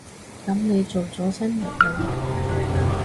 噉你做咗新人類未？